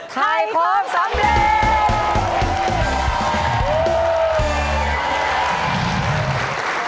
ใครพร้อมสำเร็จ